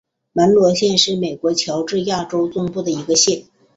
门罗县是美国乔治亚州中部的一个县。